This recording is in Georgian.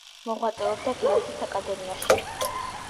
მოღვაწეობდა გელათის აკადემიაში.